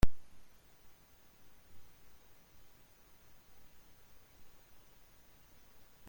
Estas diferencias se deberían a la reticencia de este pueblo a ser censado.